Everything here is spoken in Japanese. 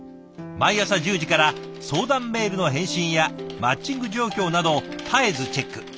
毎朝１０時から相談メールの返信やマッチング状況など絶えずチェック。